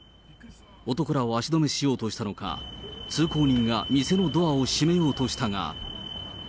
男らを足止めしようとしたのか、通行人が店のドアを閉めようとしたが。